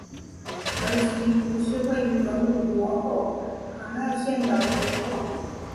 额吉湖是位于蒙古国后杭爱省的湖泊。